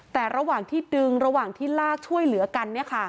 แต่ระหว่างที่ดึงระหว่างที่ลากช่วยเหลือกัน